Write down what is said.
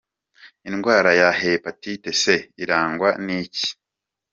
Indwara ya Hepatite C irangwa n’iki?.